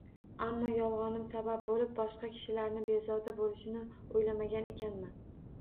Ammo yolg'onim sabab bo'lib boshqa kishilarni bezovta bo'lishini o'ylamagan ekanman